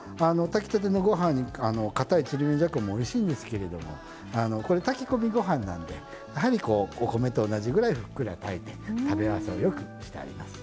炊きたてのご飯にかたいちりめんじゃこもおいしいんですけれどもこれ炊き込みご飯なんでやはりこうお米と同じぐらいふっくら炊いて食べ合わせをよくしてあります。